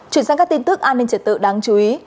chuyển sang các tin tức an ninh trật tự đáng chú ý